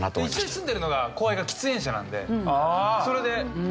一緒に住んでるのが後輩が喫煙者なのでそれで。